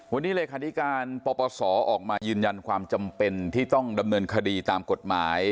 วันนี้เลขาธิการปปศออกมายืนยันความจำเป็นที่ต้องดำเนินคดีตามกฎหมาย